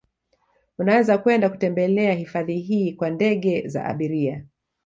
Unaweza kwenda kutembelea hifadhi hii kwa ndege za abiria